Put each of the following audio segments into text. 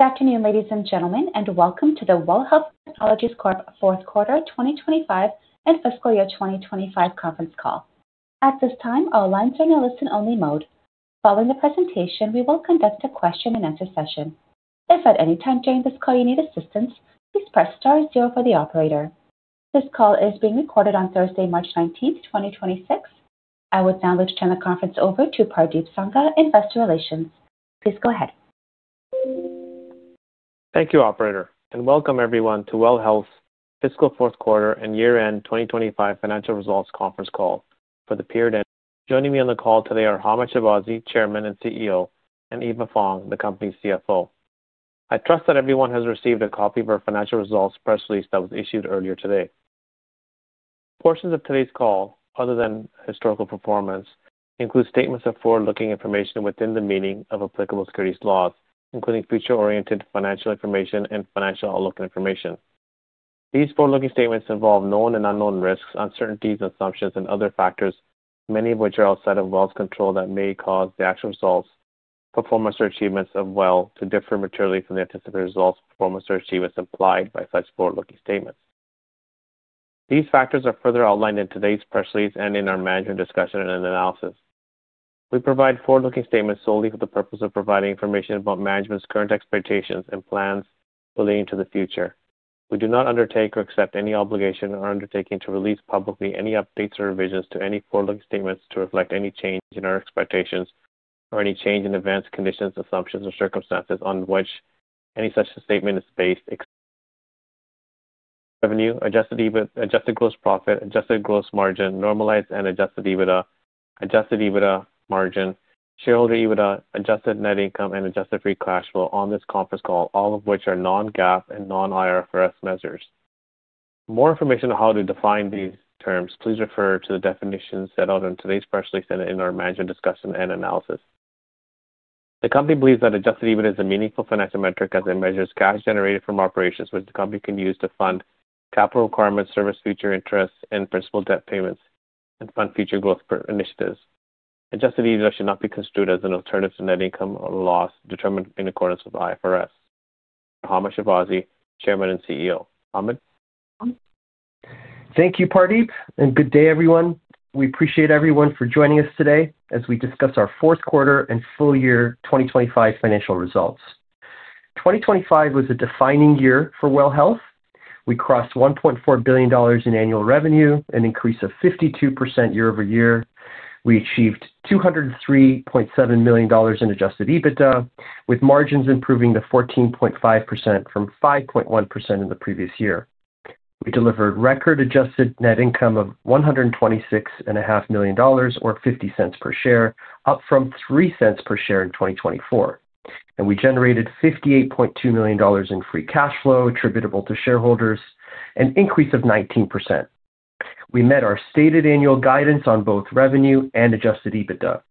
Good afternoon, ladies and gentlemen, and welcome to the WELL Health Technologies Corp. Fourth Quarter 2025 and Fiscal Year 2025 Conference Call. At this time, all lines are in a listen-only mode. Following the presentation, we will conduct a question-and-answer session. If at any time during this call you need assistance, please press star zero for the operator. This call is being recorded on Thursday, March 19, 2026. I would now like to turn the conference over to Pardeep Sangha, Investor Relations. Please go ahead. Thank you, operator, and welcome everyone to WELL Health's fiscal fourth quarter and year-end 2025 financial results conference call for the period. Joining me on the call today are Hamed Shahbazi, Chairman and CEO, and Eva Fong, the company's CFO. I trust that everyone has received a copy of our financial results press release that was issued earlier today. Portions of today's call, other than historical performance, include statements of forward-looking information within the meaning of applicable securities laws, including future-oriented financial information and financial outlook information. These forward-looking statements involve known and unknown risks, uncertainties, assumptions, and other factors, many of which are outside of WELL's control, that may cause the actual results, performance, or achievements of WELL to differ materially from the anticipated results, performance, or achievements implied by such forward-looking statements. These factors are further outlined in today's press release and in our Management's Discussion and Analysis. We provide forward-looking statements solely for the purpose of providing information about management's current expectations and plans relating to the future. We do not undertake or accept any obligation or undertaking to release publicly any updates or revisions to any forward-looking statements to reflect any change in our expectations or any change in events, conditions, assumptions, or circumstances on which any such statement is based. Revenue, Adjusted EBIT, Adjusted Gross Profit, Adjusted Gross Margin, Normalized and Adjusted EBITDA, Adjusted EBITDA Margin, Shareholder EBITDA, Adjusted Net Income, and Adjusted Free Cash Flow on this conference call, all of which are non-GAAP and non-IFRS measures. For more information on how to define these terms, please refer to the definitions set out in today's press release and in our Management's Discussion and Analysis. The company believes that Adjusted EBIT is a meaningful financial metric as it measures cash generated from operations, which the company can use to fund capital requirements, service future interests and principal debt payments, and fund future growth initiatives. Adjusted EBITDA should not be construed as an alternative to net income or loss determined in accordance with IFRS. Hamed Shahbazi, Chairman and CEO. Hamed. Thank you, Pardeep, and good day, everyone. We appreciate everyone for joining us today as we discuss our fourth quarter and full year 2025 financial results. 2025 was a defining year for WELL Health. We crossed 1.4 billion dollars in annual revenue, an increase of 52% year-over-year. We achieved 203.7 million dollars in Adjusted EBITDA, with margins improving to 14.5% from 5.1% in the previous year. We delivered record Adjusted Net Income of 126.5 million dollars or 0.50 per share, up from 0.03 per share in 2024. We generated 58.2 million dollars in free cash flow attributable to shareholders, an increase of 19%. We met our stated annual guidance on both revenue and Adjusted EBITDA.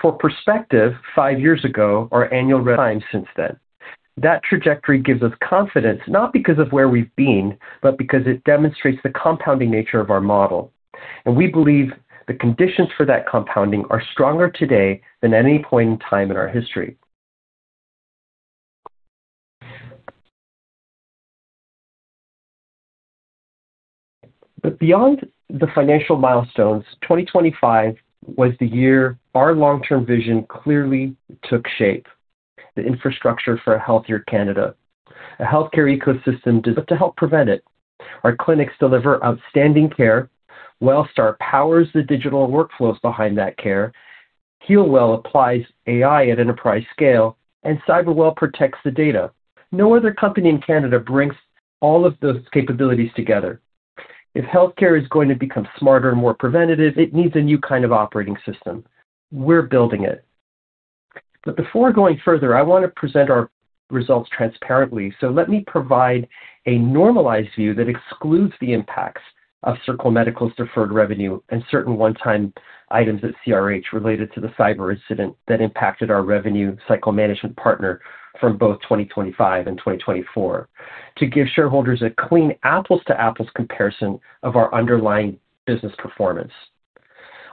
For perspective, five years ago, time since then. That trajectory gives us confidence, not because of where we've been, but because it demonstrates the compounding nature of our model. We believe the conditions for that compounding are stronger today than any point in time in our history. Beyond the financial milestones, 2025 was the year our long-term vision clearly took shape. The infrastructure for a healthier Canada, a healthcare ecosystem to help prevent it. Our clinics deliver outstanding care. WELLSTAR powers the digital workflows behind that care. HEALWELL AI applies AI at enterprise scale, and CYBERWELL protects the data. No other company in Canada brings all of those capabilities together. If healthcare is going to become smarter and more preventative, it needs a new kind of operating system. We're building it. Before going further, I want to present our results transparently. Let me provide a normalized view that excludes the impacts of Circle Medical's deferred revenue and certain one-time items at CRH related to the cyber incident that impacted our revenue cycle management partner from both 2025 and 2024 to give shareholders a clean apples to apples comparison of our underlying business performance.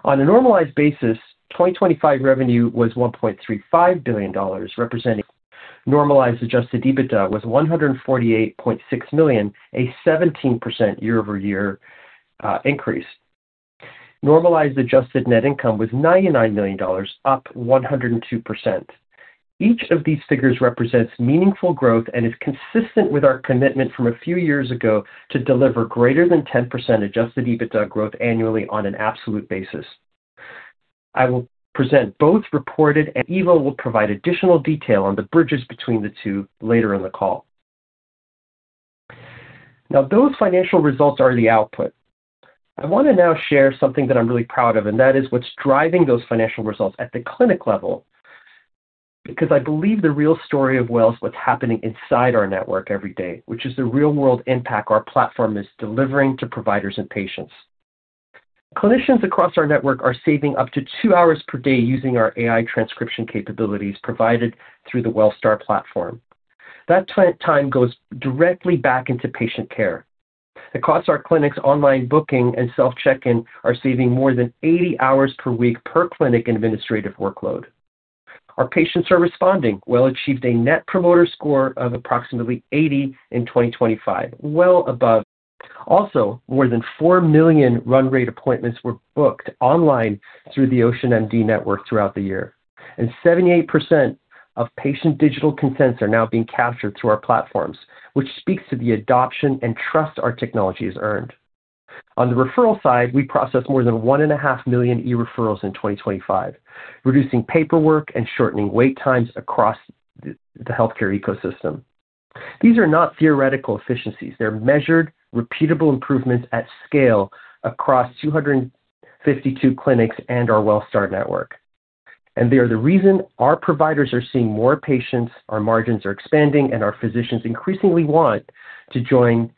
On a normalized basis, 2025 revenue was 1.35 billion dollars. Normalized Adjusted EBITDA was 148.6 million, a 17% year-over-year increase. Normalized adjusted net income was 99 million dollars, up 102%. Each of these figures represents meaningful growth and is consistent with our commitment from a few years ago to deliver greater than 10% Adjusted EBITDA growth annually on an absolute basis. I will present both reported. Eva will provide additional detail on the bridges between the two later in the call. Now, those financial results are the output. I want to now share something that I'm really proud of, and that is what's driving those financial results at the clinic level. Because I believe the real story of WELL is what's happening inside our network every day, which is the real-world impact our platform is delivering to providers and patients. Clinicians across our network are saving up to two hours per day using our AI transcription capabilities provided through the WELLSTAR platform. That time goes directly back into patient care. Across our clinics, online booking and self check-in are saving more than 80 hours per week per clinic administrative workload. Our patients are responding. WELL achieved a net promoter score of approximately 80 in 2025, well above. Also, more than four million run rate appointments were booked online through the OceanMD network throughout the year, and 78% of patient digital consents are now being captured through our platforms, which speaks to the adoption and trust our technology has earned. On the referral side, we processed more than one and a half million e-referrals in 2025, reducing paperwork and shortening wait times across the healthcare ecosystem. These are not theoretical efficiencies. They're measured, repeatable improvements at scale across 252 clinics and our WELLSTAR network. They are the reason our providers are seeing more patients, our margins are expanding, and our physicians increasingly want to join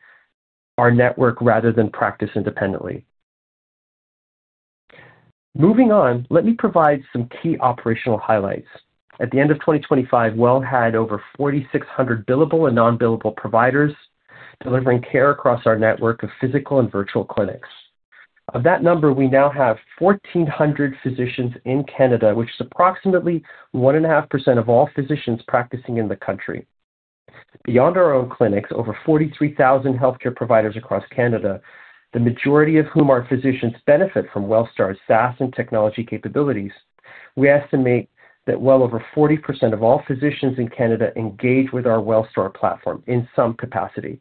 our network rather than practice independently. Moving on, let me provide some key operational highlights. At the end of 2025, WELL had over 4,600 billable and non-billable providers delivering care across our network of physical and virtual clinics. Of that number, we now have 1,400 physicians in Canada, which is approximately 1.5% of all physicians practicing in the country. Beyond our own clinics, over 43,000 healthcare providers across Canada, the majority of whom are physicians, benefit from WELLSTAR's SaaS and technology capabilities. We estimate that well over 40% of all physicians in Canada engage with our WELLSTAR platform in some capacity.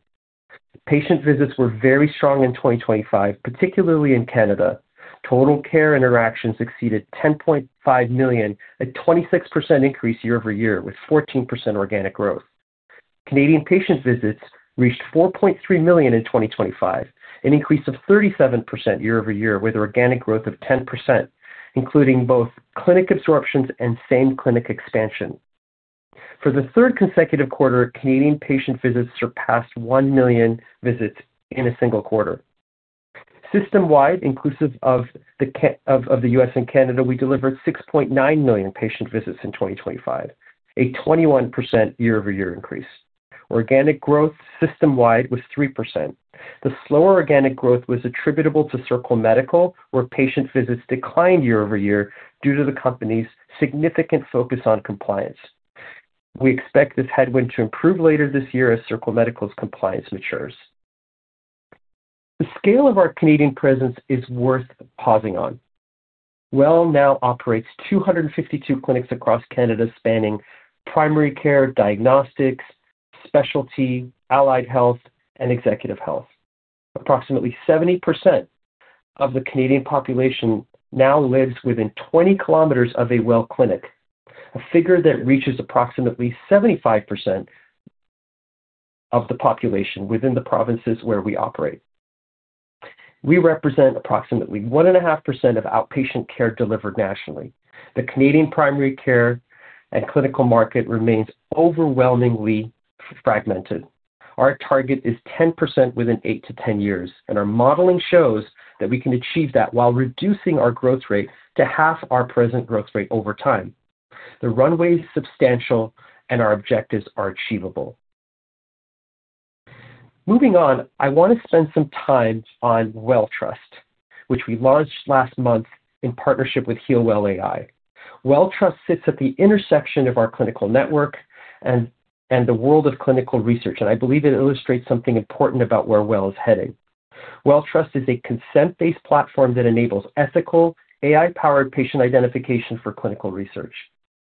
Patient visits were very strong in 2025, particularly in Canada. Total care interactions exceeded 10.5 million, a 26% increase year over year, with 14% organic growth. Canadian patient visits reached 4.3 million in 2025, an increase of 37% year-over-year, with organic growth of 10%, including both clinic absorptions and same clinic expansion. For the third consecutive quarter, Canadian patient visits surpassed one million visits in a single quarter. System-wide, inclusive of the U.S. and Canada, we delivered 6.9 million patient visits in 2025, a 21% year-over-year increase. Organic growth system-wide was 3%. The slower organic growth was attributable to Circle Medical, where patient visits declined year-over-year due to the company's significant focus on compliance. We expect this headwind to improve later this year as Circle Medical's compliance matures. The scale of our Canadian presence is worth pausing on. WELL now operates 252 clinics across Canada spanning primary care, diagnostics, specialty, allied health, and executive health. Approximately 70% of the Canadian population now lives within 20 km of a WELL clinic, a figure that reaches approximately 75% of the population within the provinces where we operate. We represent approximately 1.5% of outpatient care delivered nationally. The Canadian primary care and clinical market remains overwhelmingly fragmented. Our target is 10% within eight-10 years, and our modeling shows that we can achieve that while reducing our growth rate to half our present growth rate over time. The runway is substantial, and our objectives are achievable. Moving on, I want to spend some time on WELLTRUST, which we launched last month in partnership with HEALWELL AI. WELLTRUST sits at the intersection of our clinical network and the world of clinical research, and I believe it illustrates something important about where WELL is heading. WELLTRUST is a consent-based platform that enables ethical AI-powered patient identification for clinical research.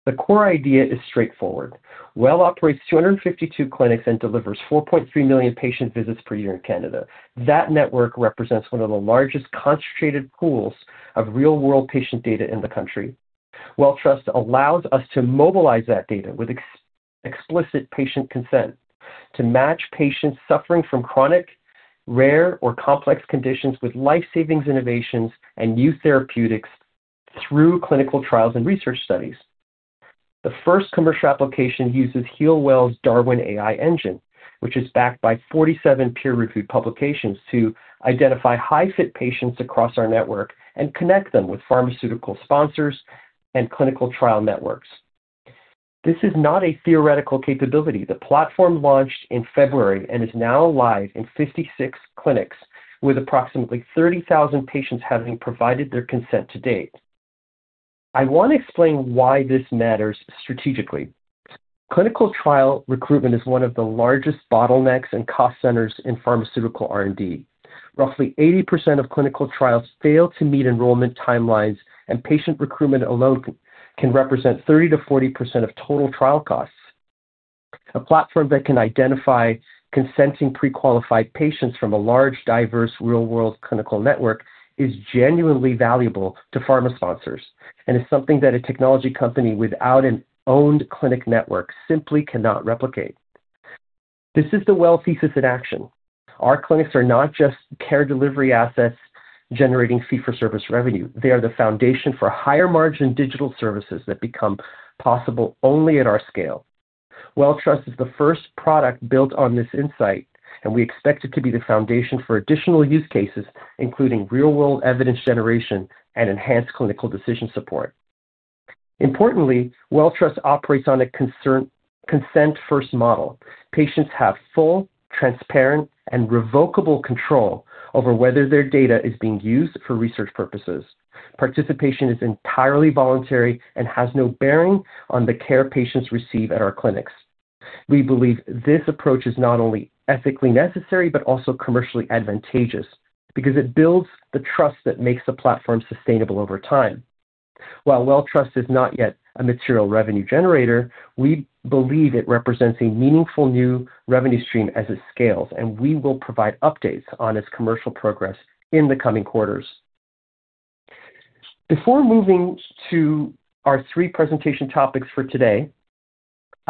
The core idea is straightforward. WELL operates 252 clinics and delivers 4.3 million patient visits per year in Canada. That network represents one of the largest concentrated pools of real-world patient data in the country. WELLTRUST allows us to mobilize that data with explicit patient consent to match patients suffering from chronic, rare, or complex conditions with life-saving innovations and new therapeutics through clinical trials and research studies. The first commercial application uses HEALWELL's DARWEN AI engine, which is backed by 47 peer-reviewed publications to identify high-fit patients across our network and connect them with pharmaceutical sponsors and clinical trial networks. This is not a theoretical capability. The platform launched in February and is now live in 56 clinics, with approximately 30,000 patients having provided their consent to date. I want to explain why this matters strategically. Clinical trial recruitment is one of the largest bottlenecks and cost centers in pharmaceutical R&D. Roughly 80% of clinical trials fail to meet enrollment timelines, and patient recruitment alone can represent 30%-40% of total trial costs. A platform that can identify consenting pre-qualified patients from a large, diverse, real-world clinical network is genuinely valuable to pharma sponsors and is something that a technology company without an owned clinic network simply cannot replicate. This is the WELL thesis in action. Our clinics are not just care delivery assets generating fee-for-service revenue. They are the foundation for higher margin digital services that become possible only at our scale. WELLTRUST is the first product built on this insight, and we expect it to be the foundation for additional use cases, including real-world evidence generation and enhanced clinical decision support. Importantly, WELLTRUST operates on a consent-first model. Patients have full, transparent, and revocable control over whether their data is being used for research purposes. Participation is entirely voluntary and has no bearing on the care patients receive at our clinics. We believe this approach is not only ethically necessary but also commercially advantageous because it builds the trust that makes the platform sustainable over time. While WELLTRUST is not yet a material revenue generator, we believe it represents a meaningful new revenue stream as it scales, and we will provide updates on its commercial progress in the coming quarters. Before moving to our three presentation topics for today,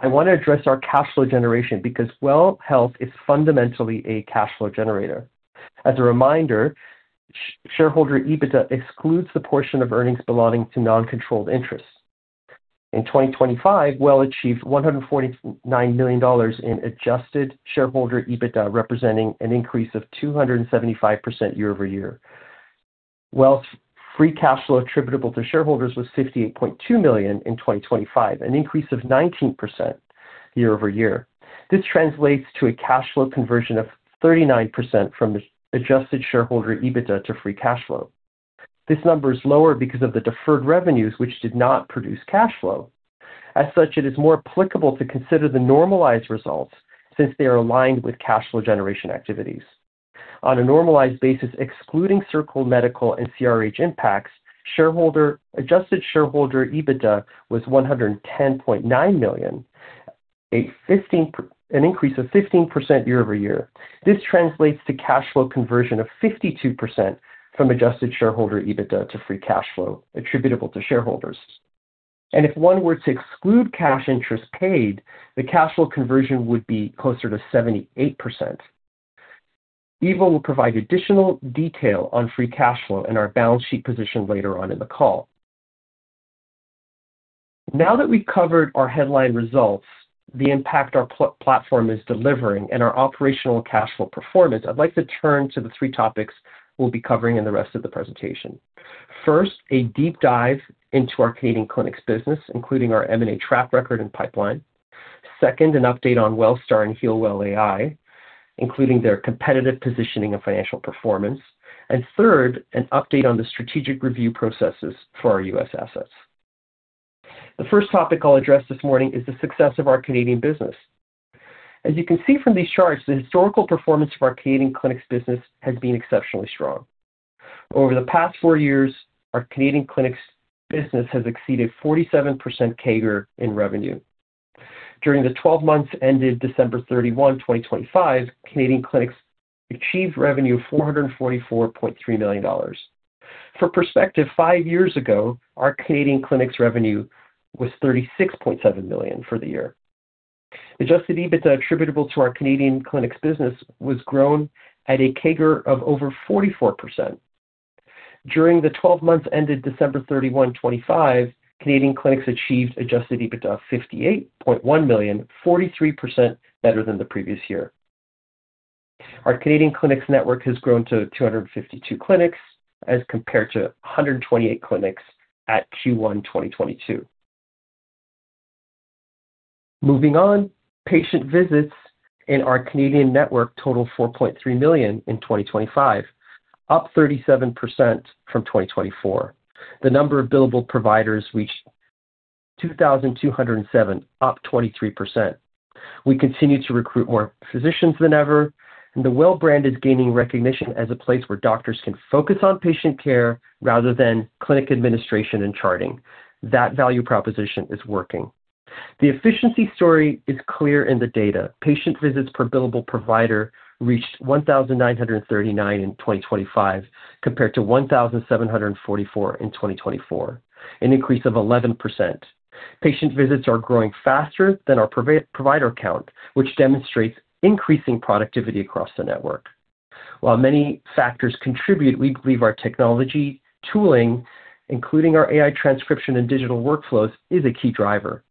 I want to address our cash flow generation because WELL Health is fundamentally a cash flow generator. As a reminder, shareholder EBITDA excludes the portion of earnings belonging to non-controlled interests. In 2025, WELL achieved 149 million dollars in adjusted shareholder EBITDA, representing an increase of 275% year-over-year. WELL's free cash flow attributable to shareholders was 58.2 million in 2025, an increase of 19% year-over-year. This translates to a cash flow conversion of 39% from adjusted shareholder EBITDA to free cash flow. This number is lower because of the deferred revenues which did not produce cash flow. As such, it is more applicable to consider the normalized results since they are aligned with cash flow generation activities. On a normalized basis, excluding Circle Medical and CRH impacts, adjusted shareholder EBITDA was 110.9 million, an increase of 15% year-over-year. This translates to cash flow conversion of 52% from adjusted shareholder EBITDA to free cash flow attributable to shareholders. If one were to exclude cash interest paid, the cash flow conversion would be closer to 78%. Eva will provide additional detail on free cash flow and our balance sheet position later on in the call. Now that we've covered our headline results, the impact our platform is delivering, and our operational cash flow performance, I'd like to turn to the three topics we'll be covering in the rest of the presentation. First, a deep dive into our Canadian clinics business, including our M&A track record and pipeline. Second, an update on WELLSTAR and HEALWELL AI, including their competitive positioning and financial performance. Third, an update on the strategic review processes for our U.S. assets. The first topic I'll address this morning is the success of our Canadian business. As you can see from these charts, the historical performance of our Canadian clinics business has been exceptionally strong. Over the past four years, our Canadian clinics business has exceeded 47% CAGR in revenue. During the 12 months ended December 31, 2025, Canadian clinics achieved revenue of 444.3 million dollars. For perspective, five years ago, our Canadian clinics revenue was 36.7 million for the year. Adjusted EBITDA attributable to our Canadian clinics business was grown at a CAGR of over 44%. During the 12 months ended December 31, 2025, Canadian clinics achieved Adjusted EBITDA of 58.1 million, 43% better than the previous year. Our Canadian clinics network has grown to 252 clinics as compared to 128 clinics at Q1 2022. Moving on, patient visits in our Canadian network totaled 4.3 million in 2025, up 37% from 2024. The number of billable providers reached 2,207, up 23%. We continue to recruit more physicians than ever, and the WELL brand is gaining recognition as a place where doctors can focus on patient care rather than clinic administration and charting. That value proposition is working. The efficiency story is clear in the data. Patient visits per billable provider reached 1,939 in 2025 compared to 1,744 in 2024, an increase of 11%. Patient visits are growing faster than our provider count, which demonstrates increasing productivity across the network. While many factors contribute, we believe our technology tooling, including our AI transcription and digital workflows, is a key driver.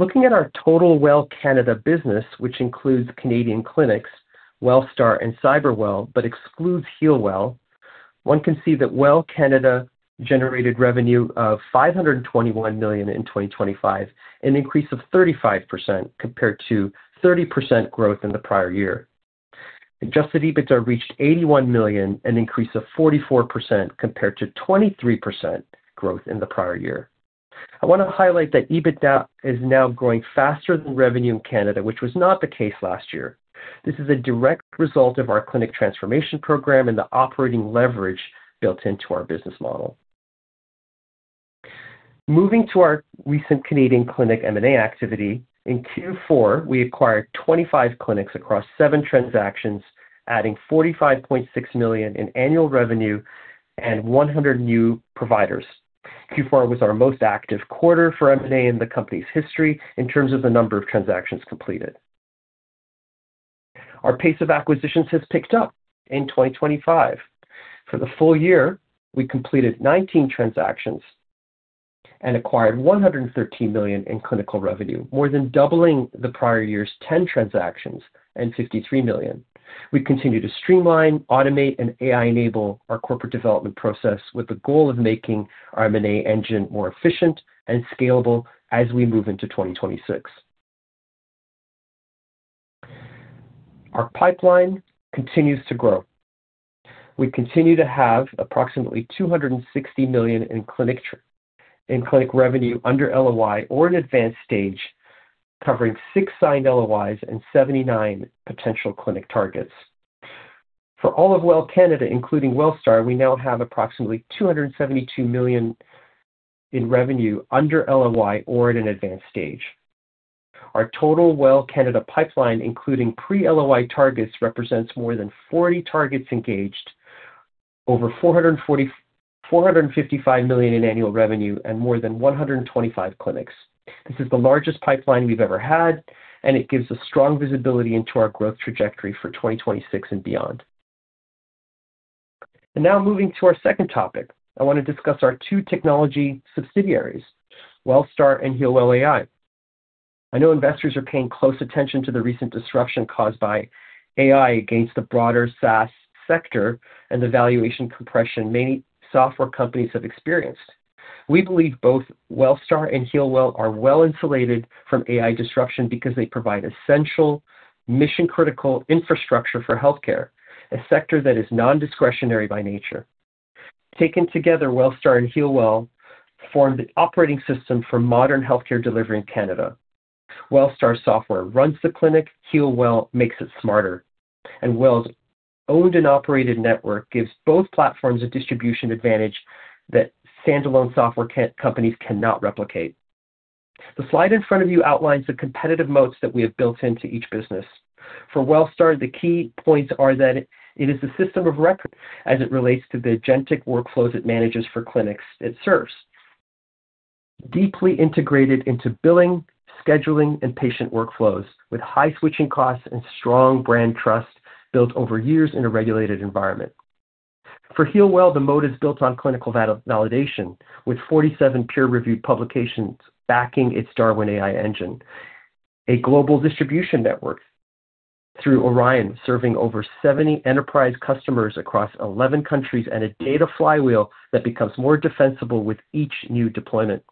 Looking at our total WELL Canada business, which includes Canadian clinics, WELLSTAR, and CYBERWELL, but excludes HEALWELL AI, one can see that WELL Canada generated revenue of 521 million in 2025, an increase of 35% compared to 30% growth in the prior year. Adjusted EBITDA reached 81 million, an increase of 44% compared to 23% growth in the prior year. I want to highlight that EBITDA is now growing faster than revenue in Canada, which was not the case last year. This is a direct result of our clinic transformation program and the operating leverage built into our business model. Moving to our recent Canadian clinic M&A activity, in Q4, we acquired 25 clinics across seven transactions, adding 45.6 million in annual revenue and 100 new providers. Q4 was our most active quarter for M&A in the company's history in terms of the number of transactions completed. Our pace of acquisitions has picked up in 2025. For the full year, we completed 19 transactions. Acquired 113 million in clinical revenue, more than doubling the prior year's 10 transactions and 53 million. We continue to streamline, automate, and AI-enable our corporate development process with the goal of making our M&A engine more efficient and scalable as we move into 2026. Our pipeline continues to grow. We continue to have approximately 260 million in clinic revenue under LOI or in advanced stage, covering six signed LOIs and 79 potential clinic targets. For all of WELL Canada, including WELLSTAR, we now have approximately 272 million in revenue under LOI or at an advanced stage. Our total WELL Canada pipeline, including pre-LOI targets, represents more than 40 targets engaged, over 455 million in annual revenue and more than 125 clinics. This is the largest pipeline we've ever had, and it gives us strong visibility into our growth trajectory for 2026 and beyond. Now moving to our second topic. I want to discuss our two technology subsidiaries, WELLSTAR and HEALWELL AI. I know investors are paying close attention to the recent disruption caused by AI against the broader SaaS sector and the valuation compression many software companies have experienced. We believe both WELLSTAR and HEALWELL AI are well-insulated from AI disruption because they provide essential mission-critical infrastructure for healthcare, a sector that is non-discretionary by nature. Taken together, WELLSTAR and HEALWELL AI form the operating system for modern healthcare delivery in Canada. WELLSTAR software runs the clinic, HEALWELL AI makes it smarter, and WELL's owned and operated network gives both platforms a distribution advantage that standalone software companies cannot replicate. The slide in front of you outlines the competitive moats that we have built into each business. For WELLSTAR, the key points are that it is a system of record as it relates to the agentic workflows it manages for clinics it serves. Deeply integrated into billing, scheduling, and patient workflows with high switching costs and strong brand trust built over years in a regulated environment. For HEALWELL, the moat is built on clinical validation, with 47 peer-reviewed publications backing its DARWEN AI engine. A global distribution network through Orion, serving over 70 enterprise customers across 11 countries, and a data flywheel that becomes more defensible with each new deployment.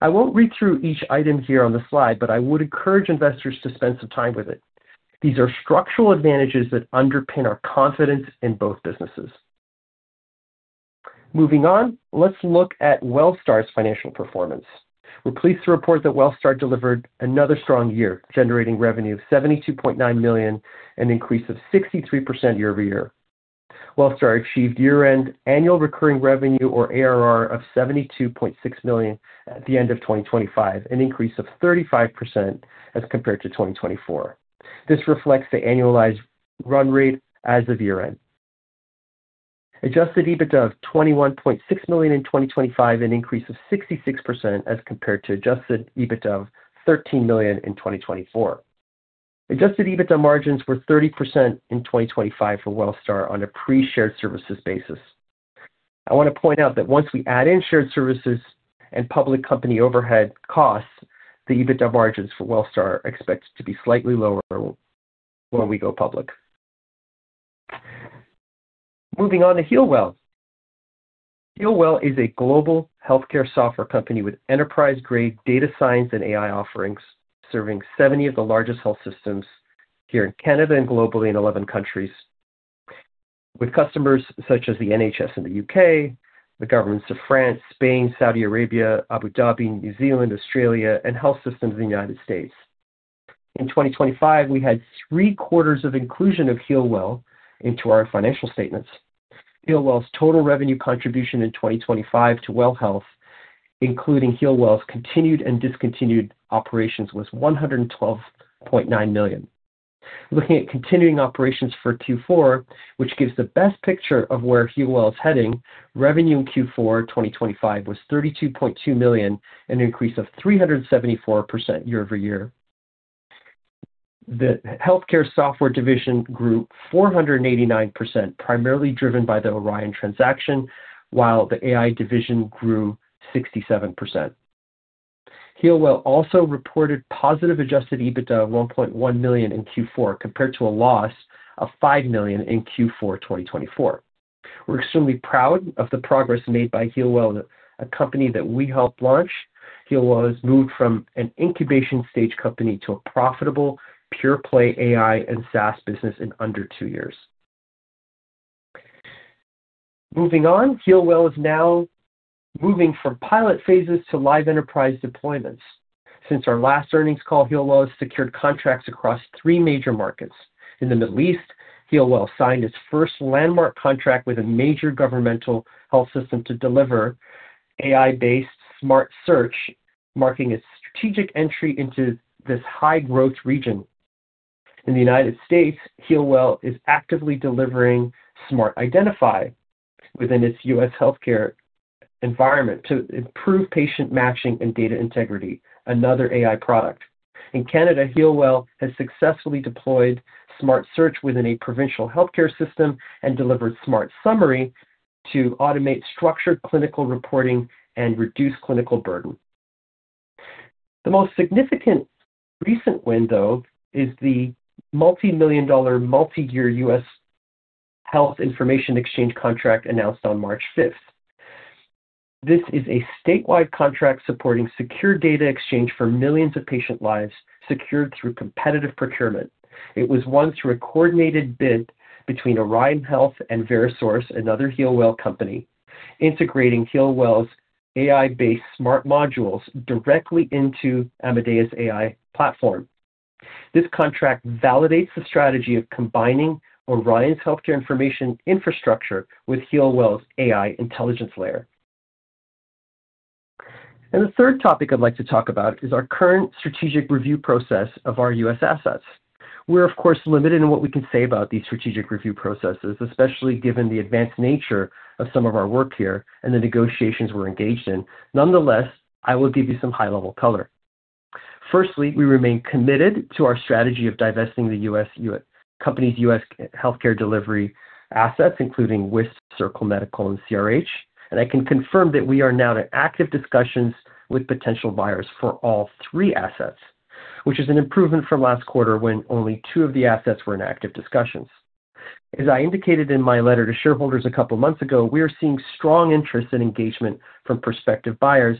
I won't read through each item here on the slide, but I would encourage investors to spend some time with it. These are structural advantages that underpin our confidence in both businesses. Moving on. Let's look at WELLSTAR's financial performance. We're pleased to report that WELLSTAR delivered another strong year, generating revenue of 72.9 million, an increase of 63% year-over-year. WELLSTAR achieved year-end annual recurring revenue or ARR of 72.6 million at the end of 2025, an increase of 35% as compared to 2024. This reflects the annualized run rate as of year-end. Adjusted EBITDA of 21.6 million in 2025, an increase of 66% as compared to adjusted EBITDA of 13 million in 2024. Adjusted EBITDA margins were 30% in 2025 for WELLSTAR on a pre-shared services basis. I want to point out that once we add in shared services and public company overhead costs, the EBITDA margins for WELLSTAR are expected to be slightly lower when we go public. Moving on to HEALWELL. HEALWELL is a global healthcare software company with enterprise-grade data science and AI offerings, serving 70 of the largest health systems here in Canada and globally in 11 countries, with customers such as the NHS in the U.K., the governments of France, Spain, Saudi Arabia, Abu Dhabi, New Zealand, Australia, and health systems in the United States. In 2025, we had three quarters of inclusion of HEALWELL into our financial statements. HEALWELL's total revenue contribution in 2025 to WELL Health, including HEALWELL's continuing and discontinued operations, was 112.9 million. Looking at continuing operations for Q4, which gives the best picture of where HEALWELL is heading, revenue in Q4 2025 was 32.2 million, an increase of 374% year-over-year. The healthcare software division grew 489%, primarily driven by the Orion Health transaction, while the AI division grew 67%. HEALWELL also reported positive adjusted EBITDA of 1.1 million in Q4, compared to a loss of 5 million in Q4 2024. We're extremely proud of the progress made by HEALWELL, a company that we helped launch. HEALWELL has moved from an incubation stage company to a profitable pure play AI and SaaS business in under two years. Moving on. HEALWELL is now moving from pilot phases to live enterprise deployments. Since our last earnings call, HEALWELL has secured contracts across three major markets. In the Middle East, HEALWELL signed its first landmark contract with a major governmental health system to deliver AI-based SMARTSearch, marking its strategic entry into this high-growth region. In the United States, HEALWELL is actively delivering SMARTIdentify within its U.S. healthcare environment to improve patient matching and data integrity, another AI product. In Canada, HEALWELL has successfully deployed SMARTSearch within a provincial healthcare system and delivered SMARTSummary to automate structured clinical reporting and reduce clinical burden. The most significant recent win, though, is the multimillion-dollar multi-year U.S. health information exchange contract announced on March 5th. This is a statewide contract supporting secure data exchange for millions of patient lives secured through competitive procurement. It was won through a coordinated bid between Orion Health and VeroSource, another HEALWELL company, integrating HEALWELL's AI-based smart modules directly into Amadeus AI platform. This contract validates the strategy of combining Orion's healthcare information infrastructure with HEALWELL's AI intelligence layer. The third topic I'd like to talk about is our current strategic review process of our U.S. assets. We're of course limited in what we can say about these strategic review processes, especially given the advanced nature of some of our work here and the negotiations we're engaged in. Nonetheless, I will give you some high-level color. Firstly, we remain committed to our strategy of divesting the U.S. company's U.S. healthcare delivery assets, including WISP, Circle Medical, and CRH. I can confirm that we are now in active discussions with potential buyers for all three assets, which is an improvement from last quarter when only two of the assets were in active discussions. As I indicated in my letter to shareholders a couple months ago, we are seeing strong interest and engagement from prospective buyers,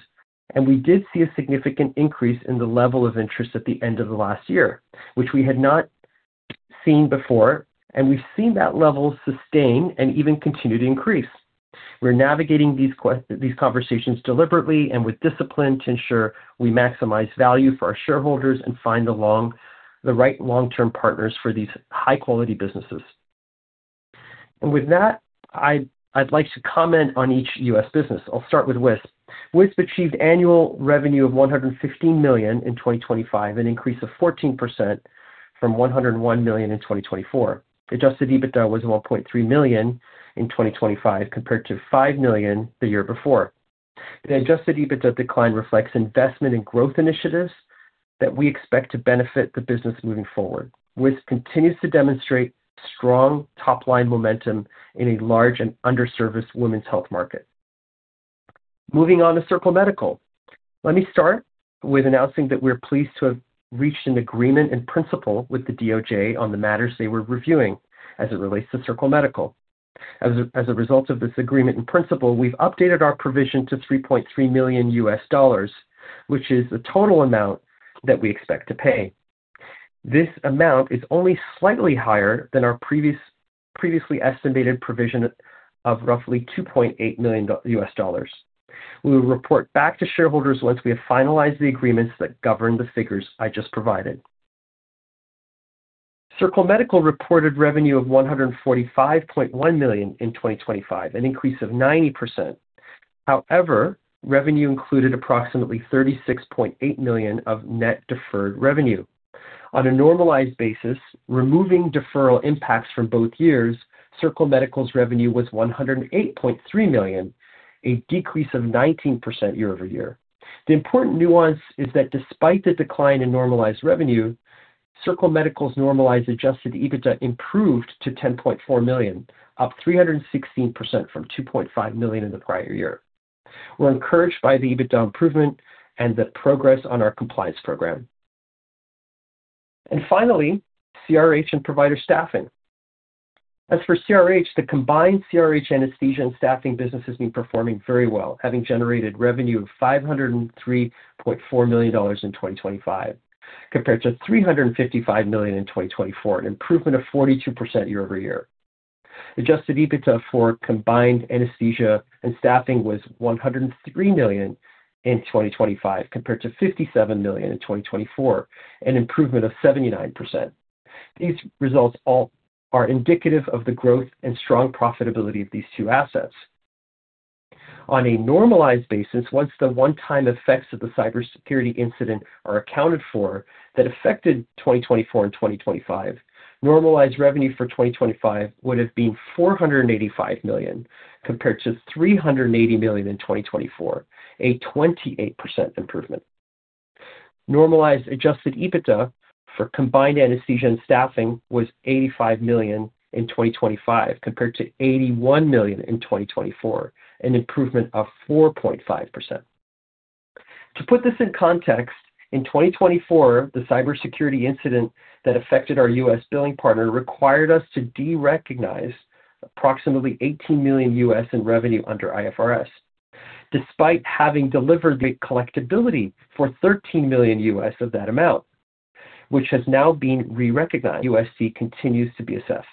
and we did see a significant increase in the level of interest at the end of the last year, which we had not seen before, and we've seen that level sustain and even continue to increase. We're navigating these conversations deliberately and with discipline to ensure we maximize value for our shareholders and find the right long-term partners for these high-quality businesses. With that, I'd like to comment on each U.S. business. I'll start with WISP. WISP achieved annual revenue of 115 million in 2025, an increase of 14% from 101 million in 2024. Adjusted EBITDA was 1.3 million in 2025, compared to 5 million the year before. The adjusted EBITDA decline reflects investment in growth initiatives that we expect to benefit the business moving forward. WISP continues to demonstrate strong top-line momentum in a large and underserviced women's health market. Moving on to Circle Medical. Let me start with announcing that we're pleased to have reached an agreement in principle with the DOJ on the matters they were reviewing as it relates to Circle Medical. As a result of this agreement in principle, we've updated our provision to $3.3 million, which is the total amount that we expect to pay. This amount is only slightly higher than our previously estimated provision of roughly $2.8 million. We will report back to shareholders once we have finalized the agreements that govern the figures I just provided. Circle Medical reported revenue of 145.1 million in 2025, an increase of 90%. However, revenue included approximately 36.8 million of net deferred revenue. On a normalized basis, removing deferral impacts from both years, Circle Medical's revenue was 108.3 million, a decrease of 19% year-over-year. The important nuance is that despite the decline in normalized revenue, Circle Medical's normalized Adjusted EBITDA improved to 10.4 million, up 316% from 2.5 million in the prior year. We're encouraged by the Adjusted EBITDA improvement and the progress on our compliance program. Finally, CRH and Provider Staffing. As for CRH, the combined CRH anesthesia and staffing businesses been performing very well, having generated revenue of 503.4 million dollars in 2025, compared to 355 million in 2024, an improvement of 42% year-over-year. Adjusted EBITDA for combined anesthesia and staffing was 103 million in 2025, compared to 57 million in 2024, an improvement of 79%. These results all are indicative of the growth and strong profitability of these two assets. On a normalized basis, once the one-time effects of the cybersecurity incident are accounted for that affected 2024 and 2025, normalized revenue for 2025 would have been 485 million, compared to 380 million in 2024, a 28% improvement. Normalized adjusted EBITDA for combined anesthesia and staffing was 85 million in 2025, compared to 81 million in 2024, an improvement of 4.5%. To put this in context, in 2024, the cybersecurity incident that affected our U.S. billing partner required us to derecognize approximately $18 million in revenue under IFRS. Despite having delivered the collectibility for $13 million of that amount, which has now been re-recognized, USC continues to be assessed.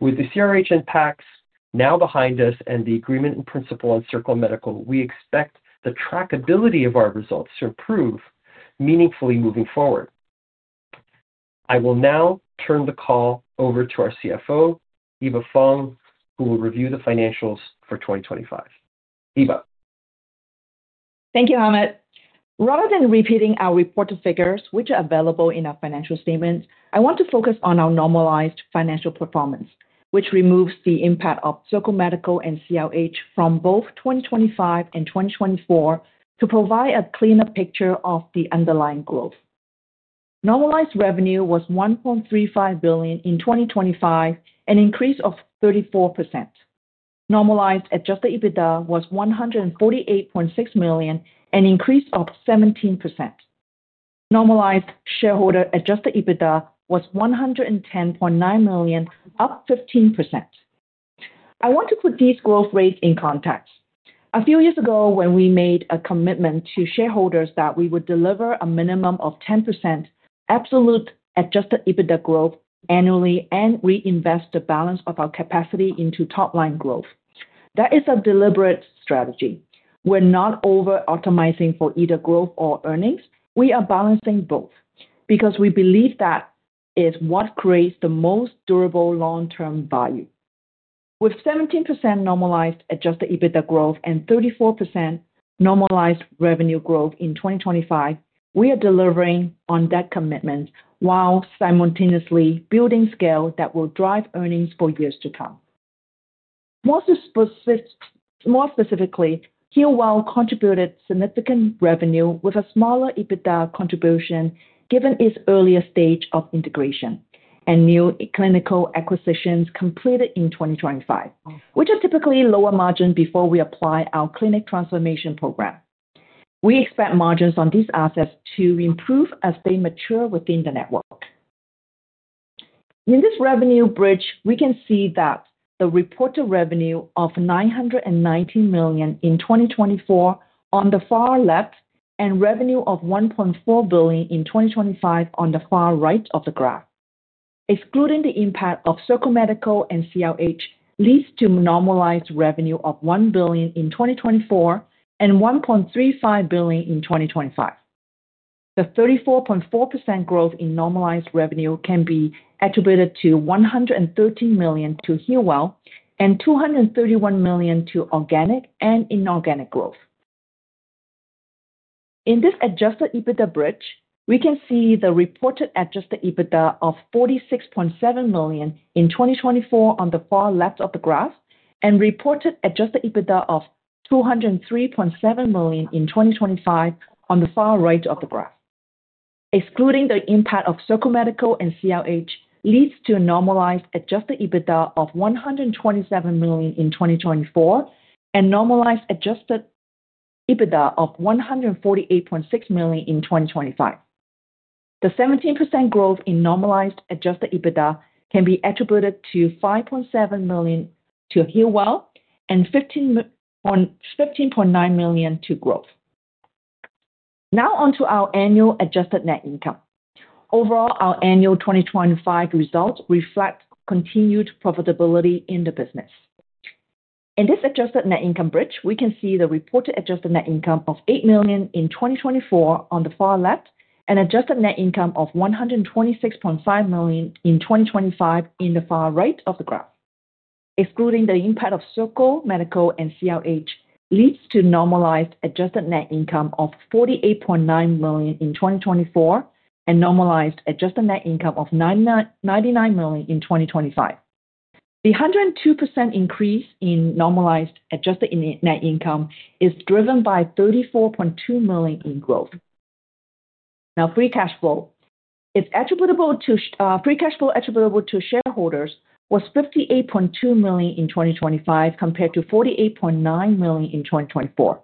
With the CRH impacts now behind us and the agreement in principle on Circle Medical, we expect the trackability of our results to improve meaningfully moving forward. I will now turn the call over to our CFO, Eva Fong, who will review the financials for 2025. Eva. Thank you, Hamed. Rather than repeating our reported figures, which are available in our financial statements, I want to focus on our normalized financial performance, which removes the impact of Circle Medical and CRH from both 2025 and 2024 to provide a cleaner picture of the underlying growth. Normalized revenue was 1.35 billion in 2025, an increase of 34%. Normalized Adjusted EBITDA was 148.6 million, an increase of 17%. Normalized shareholder Adjusted EBITDA was 110.9 million, up 15%. I want to put these growth rates in context. A few years ago, when we made a commitment to shareholders that we would deliver a minimum of 10% absolute Adjusted EBITDA growth annually and reinvest the balance of our capacity into top-line growth. That is a deliberate strategy. We're not over-optimizing for either growth or earnings. We are balancing both because we believe that is what creates the most durable long-term value. With 17% normalized Adjusted EBITDA growth and 34% normalized revenue growth in 2025, we are delivering on that commitment while simultaneously building scale that will drive earnings for years to come. More specifically, HEALWELL AI contributed significant revenue with a smaller EBITDA contribution given its earlier stage of integration and new clinical acquisitions completed in 2025, which is typically lower margin before we apply our clinic transformation program. We expect margins on these assets to improve as they mature within the network. In this revenue bridge, we can see that the reported revenue of 990 million in 2024 on the far left, and revenue of 1.4 billion in 2025 on the far right of the graph. Excluding the impact of Circle Medical and CRH leads to normalized revenue of 1 billion in 2024 and 1.35 billion in 2025. The 34.4% growth in normalized revenue can be attributed to 113 million to HEALWELL and 231 million to organic and inorganic growth. In this adjusted EBITDA bridge, we can see the reported adjusted EBITDA of 46.7 million in 2024 on the far left of the graph, and reported adjusted EBITDA of 200.7 million in 2025 on the far right of the graph. Excluding the impact of Circle Medical and CRH leads to a normalized Adjusted EBITDA of 127 million in 2024 and normalized Adjusted EBITDA of 148.6 million in 2025. The 17% growth in normalized Adjusted EBITDA can be attributed to 5.7 million to HEALWELL and 15.9 million to growth. Now on to our annual adjusted net income. Overall, our annual 2025 results reflect continued profitability in the business. In this adjusted net income bridge, we can see the reported adjusted net income of 8 million in 2024 on the far left, and adjusted net income of 126.5 million in 2025 in the far right of the graph. Excluding the impact of Circle Medical and CRH leads to normalized adjusted net income of 48.9 million in 2024 and normalized adjusted net income of 99.9 million in 2025. The 102% increase in normalized adjusted net income is driven by 34.2 million in growth. Now, free cash flow. Free cash flow attributable to shareholders was 58.2 million in 2025 compared to 48.9 million in 2024.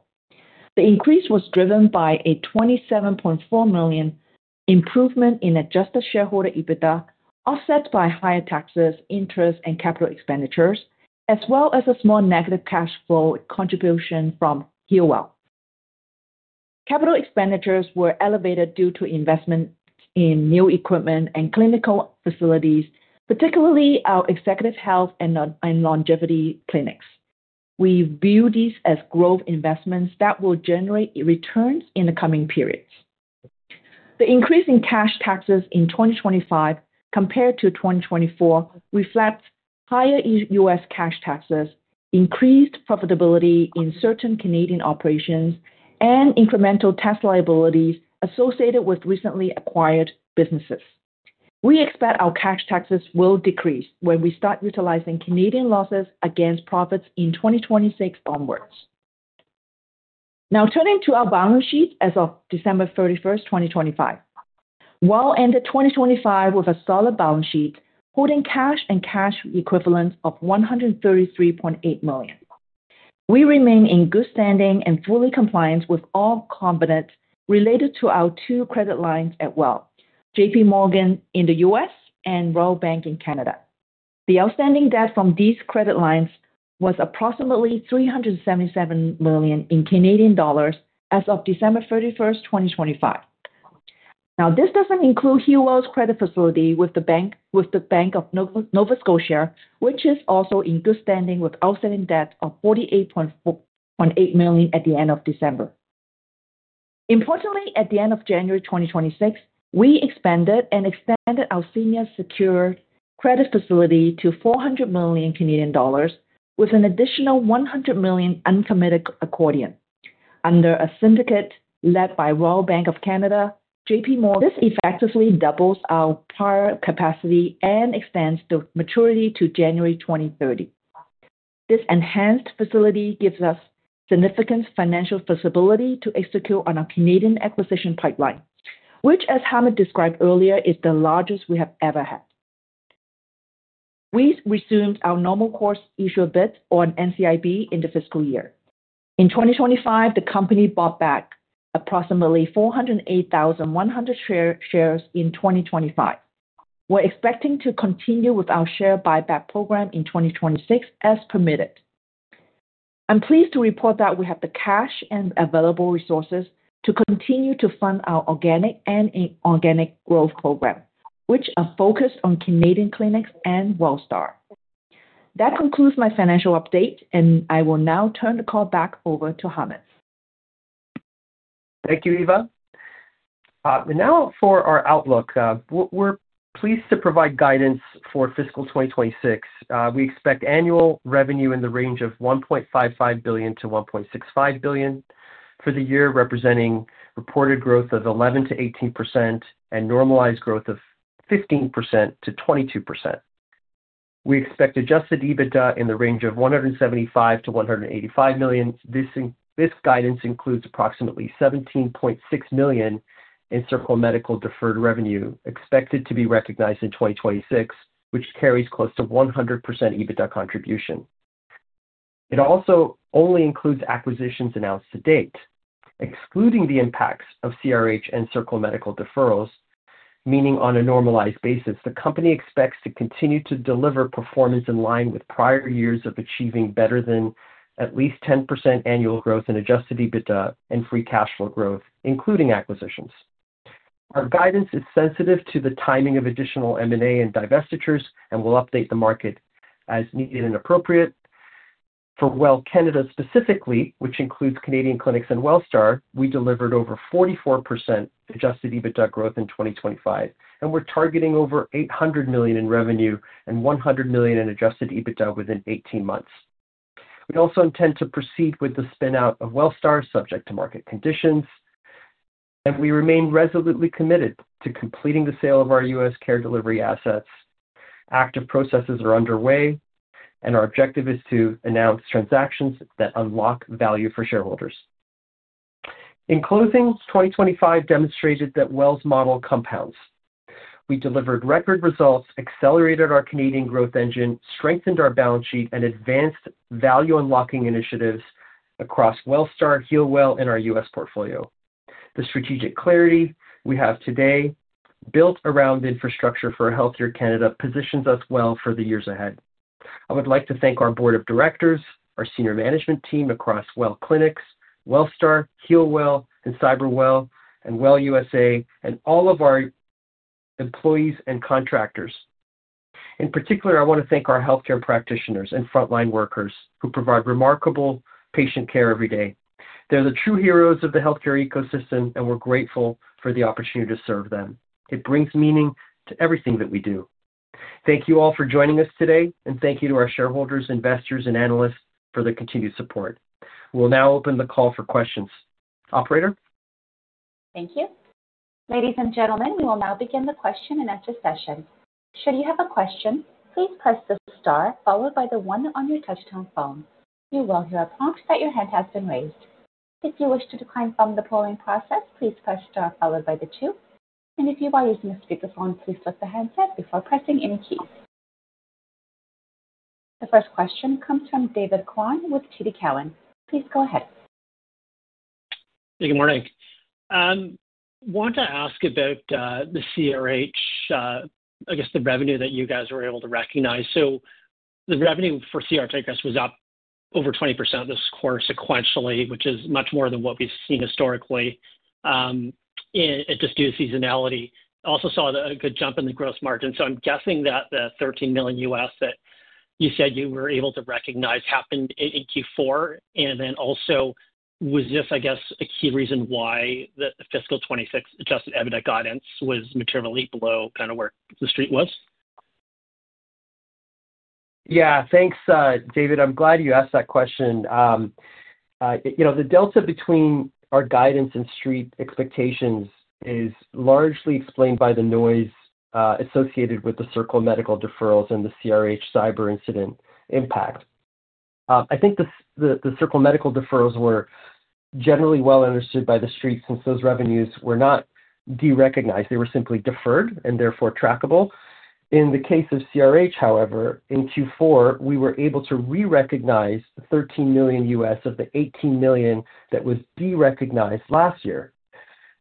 The increase was driven by a 27.4 million improvement in adjusted shareholder EBITDA, offset by higher taxes, interest and capital expenditures, as well as a small negative cash flow contribution from HEALWELL. Capital expenditures were elevated due to investment in new equipment and clinical facilities, particularly our executive health and longevity clinics. We view these as growth investments that will generate returns in the coming periods. The increase in cash taxes in 2025 compared to 2024 reflects higher U.S. cash taxes, increased profitability in certain Canadian operations, and incremental tax liabilities associated with recently acquired businesses. We expect our cash taxes will decrease when we start utilizing Canadian losses against profits in 2026 onwards. Now turning to our balance sheet as of December 31st, 2025. WELL ended 2025 with a solid balance sheet, holding cash and cash equivalents of 133.8 million. We remain in good standing and fully compliant with all covenants related to our two credit lines at WELL, J.P. Morgan in the U.S. and Royal Bank of Canada. The outstanding debt from these credit lines was approximately 377 million as of December 31st, 2025. Now, this doesn't include HEALWELL's credit facility with the bank, with The Bank of Nova Scotia, which is also in good standing with outstanding debt of 48.8 million at the end of December. Importantly, at the end of January 2026, we expanded our senior secured credit facility to 400 million Canadian dollars with an additional 100 million uncommitted accordion under a syndicate led by Royal Bank of Canada, J.P. Morgan. This effectively doubles our prior capacity and extends the maturity to January 2030. This enhanced facility gives us significant financial flexibility to execute on our Canadian acquisition pipeline, which, as Hamed described earlier, is the largest we have ever had. We resumed our normal course issuer bid on NCIB in the fiscal year. In 2025, the company bought back approximately 408,100 shares in 2025. We're expecting to continue with our share buyback program in 2026 as permitted. I'm pleased to report that we have the cash and available resources to continue to fund our organic and inorganic growth program, which are focused on Canadian clinics and WELLSTAR. That concludes my financial update, and I will now turn the call back over to Hamid. Thank you, Eva. Now for our outlook. We're pleased to provide guidance for fiscal 2026. We expect annual revenue in the range of 1.55 billion-1.65 billion for the year, representing reported growth of 11%-18% and normalized growth of 15%-22%. We expect Adjusted EBITDA in the range of 175 million-185 million. This guidance includes approximately 17.6 million in Circle Medical deferred revenue expected to be recognized in 2026, which carries close to 100% EBITDA contribution. It also only includes acquisitions announced to date, excluding the impacts of CRH and Circle Medical deferrals, meaning on a normalized basis, the company expects to continue to deliver performance in line with prior years of achieving better than at least 10% annual growth in adjusted EBITDA and free cash flow growth, including acquisitions. Our guidance is sensitive to the timing of additional M&A and divestitures, and we'll update the market as needed and appropriate. For WELL Canada specifically, which includes Canadian clinics and WELLSTAR, we delivered over 44% adjusted EBITDA growth in 2025, and we're targeting over 800 million in revenue and 100 million in adjusted EBITDA within 18 months. We also intend to proceed with the spin-out of WELLSTAR subject to market conditions, and we remain resolutely committed to completing the sale of our U.S. care delivery assets. Active processes are underway, and our objective is to announce transactions that unlock value for shareholders. In closing, 2025 demonstrated that WELL's model compounds. We delivered record results, accelerated our Canadian growth engine, strengthened our balance sheet, and advanced value unlocking initiatives across WELLSTAR, HEALWELL, and our U.S. portfolio. The strategic clarity we have today built around infrastructure for a healthier Canada positions us well for the years ahead. I would like to thank our board of directors, our senior management team across WELL Clinics, WELLSTAR, HEALWELL, and CYBERWELL, and WELL USA, and all of our employees and contractors. In particular, I want to thank our healthcare practitioners and frontline workers who provide remarkable patient care every day. They're the true heroes of the healthcare ecosystem, and we're grateful for the opportunity to serve them. It brings meaning to everything that we do. Thank you all for joining us today, and thank you to our shareholders, investors, and analysts for their continued support. We'll now open the call for questions. Operator? Thank you. Ladies and gentlemen, we will now begin the question and answer session. Should you have a question, please press the star followed by the one on your touchtone phone. You will hear a prompt that your hand has been raised. If you wish to decline from the polling process, please press star followed by the two. If you are using a speakerphone, please lift the handset before pressing any key. The first question comes from David Kwan with TD Cowen. Please go ahead. Good morning. Want to ask about the CRH, I guess the revenue that you guys were able to recognize. The revenue for CRH, I guess, was up over 20% this quarter sequentially, which is much more than what we've seen historically, just due to seasonality. Also saw a good jump in the gross margin. I'm guessing that the $13 million that you said you were able to recognize happened in Q4. Also was this, I guess, a key reason why the fiscal 2026 Adjusted EBITDA guidance was materially below kind of where the street was? Yeah. Thanks, David. I'm glad you asked that question. You know, the delta between our guidance and street expectations is largely explained by the noise associated with the Circle Medical deferrals and the CRH cyber incident impact. I think the Circle Medical deferrals were generally well understood by the street since those revenues were not derecognized. They were simply deferred and therefore trackable. In the case of CRH, however, in Q4, we were able to re-recognize the $13 million of the $18 million that was derecognized last year,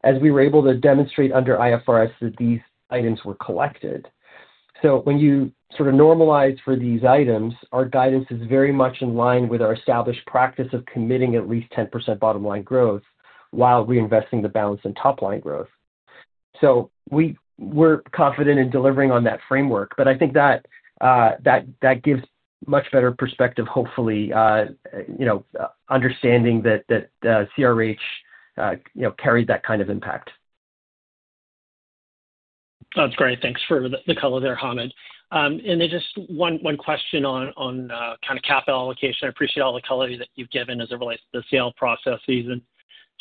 as we were able to demonstrate under IFRS that these items were collected. When you sort of normalize for these items, our guidance is very much in line with our established practice of committing at least 10% bottom line growth while reinvesting the balance in top line growth. We're confident in delivering on that framework, but I think that gives much better perspective, hopefully, you know, understanding that CRH carried that kind of impact. That's great. Thanks for the color there, Hamed. Then just one question on kind of capital allocation. I appreciate all the color that you've given as it relates to the sale processes and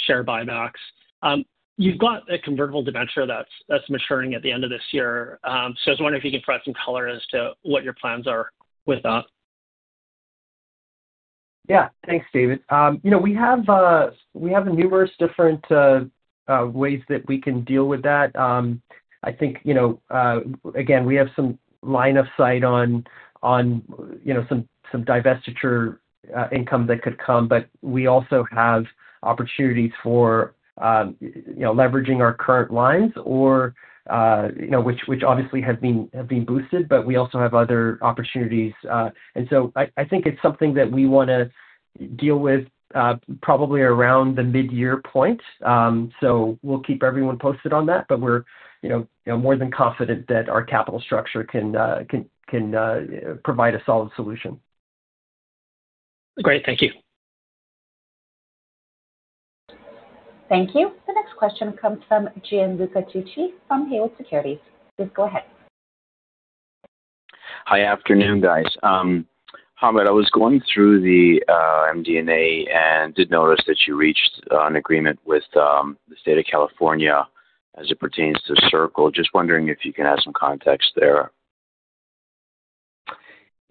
Share buybacks. You've got a convertible debenture that's maturing at the end of this year. I was wondering if you could provide some color as to what your plans are with that? Yeah. Thanks, David. You know, we have numerous different ways that we can deal with that. I think, you know, again, we have some line of sight on you know, some divestiture income that could come, but we also have opportunities for you know, leveraging our current lines or you know, which obviously have been boosted, but we also have other opportunities. I think it's something that we wanna deal with probably around the mid-year point. We'll keep everyone posted on that, but we're you know, more than confident that our capital structure can provide a solid solution. Great. Thank you. Thank you. The next question comes from Gianluca Tucci from Haywood Securities. Please go ahead. Hi. Afternoon, guys. Hamed, I was going through the MD&A and did notice that you reached an agreement with the State of California as it pertains to Circle. Just wondering if you can add some context there.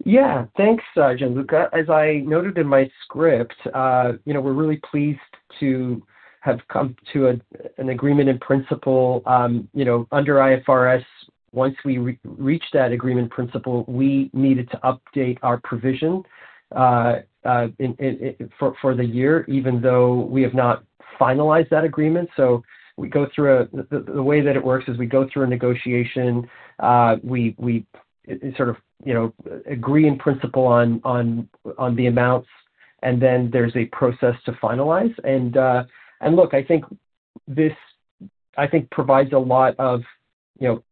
Yeah. Thanks, Gianluca. As I noted in my script, you know, we're really pleased to have come to an agreement in principle. You know, under IFRS, once we reached that agreement in principle, we needed to update our provision for the year, even though we have not finalized that agreement. The way that it works is we go through a negotiation. We sort of, you know, agree in principle on the amounts, and then there's a process to finalize. Look, I think this provides a lot of, you know,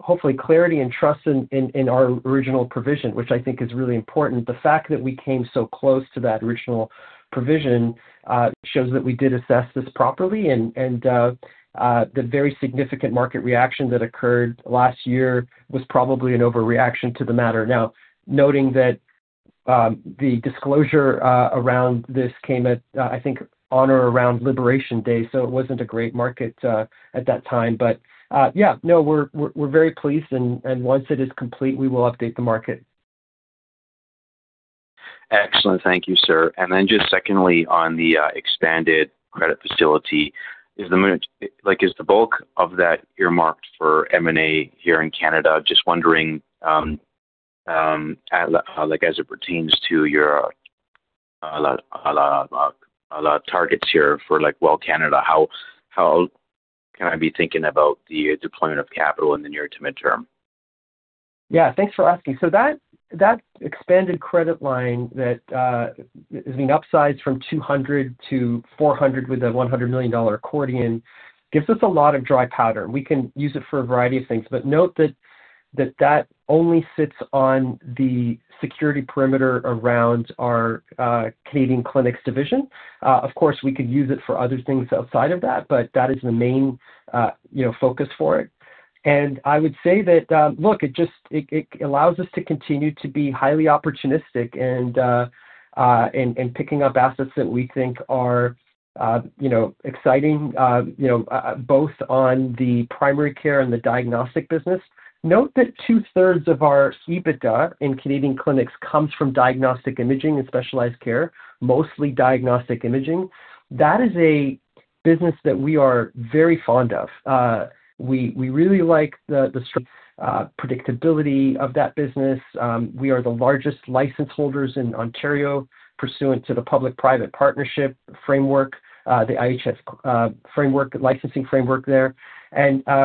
hopefully clarity and trust in our original provision, which I think is really important. The fact that we came so close to that original provision shows that we did assess this properly and the very significant market reaction that occurred last year was probably an overreaction to the matter. Now, noting that, the disclosure around this came at, I think on or around Labour Day, so it wasn't a great market at that time. Yeah, no, we're very pleased and once it is complete, we will update the market. Excellent. Thank you, sir. Just secondly, on the expanded credit facility, is the bulk of that earmarked for M&A here in Canada? Just wondering, like as it pertains to your targets here for, like, WELL Canada, how can I be thinking about the deployment of capital in the near to mid-term? Yeah. Thanks for asking. That expanded credit line that is being upsized from 200 million to 400 million with a 100 million dollar accordion gives us a lot of dry powder. We can use it for a variety of things. Note that that only sits on the security perimeter around our Canadian Clinics division. Of course, we could use it for other things outside of that, but that is the main, you know, focus for it. I would say that, look, it allows us to continue to be highly opportunistic and in picking up assets that we think are, you know, exciting, you know, both on the primary care and the diagnostic business. Note that two-thirds of our EBITDA in Canadian Clinics comes from diagnostic imaging and specialized care, mostly diagnostic imaging. That is a business that we are very fond of. We really like the predictability of that business. We are the largest license holders in Ontario pursuant to the public-private partnership framework, the IntraHealth framework, licensing framework there.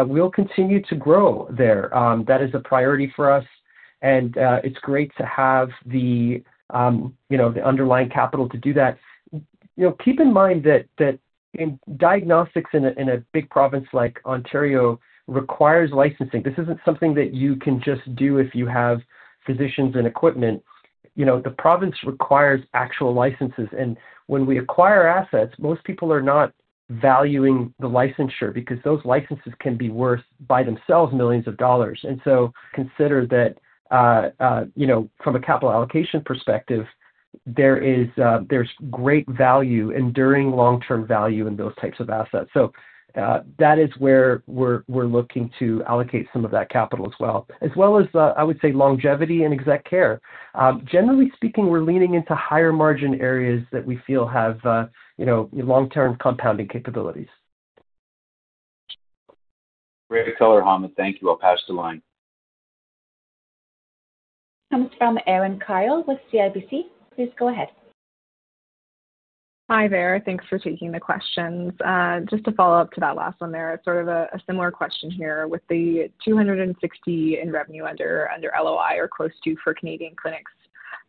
We'll continue to grow there. That is a priority for us and it's great to have the, you know, the underlying capital to do that. You know, keep in mind that in diagnostics in a big province like Ontario requires licensing. This isn't something that you can just do if you have physicians and equipment. You know, the province requires actual licenses. When we acquire assets, most people are not valuing the licensure because those licenses can be worth by themselves millions dollars. Consider that, you know, from a capital allocation perspective, there is great value, enduring long-term value in those types of assets. That is where we're looking to allocate some of that capital as well. As well as, I would say longevity and exec care. Generally speaking, we're leaning into higher margin areas that we feel have, you know, long-term compounding capabilities. Great color, Hamed. Thank you. I'll pass the line. Comes from Erin Kyle with CIBC. Please go ahead. Hi there. Thanks for taking the questions. Just to follow up to that last one there, sort of a similar question here. With the 260 in revenue under LOI or close to for Canadian Clinics,